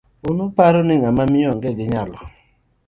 Un uparo ni ng'ama miyo ong 'e gi nyalo?